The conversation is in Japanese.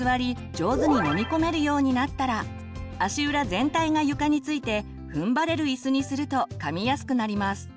上手に飲み込めるようになったら足裏全体が床についてふんばれる椅子にするとかみやすくなります。